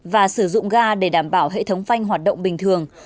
và sử dụng ga để đảm bảo hệ thống phanh hoạt động bình thường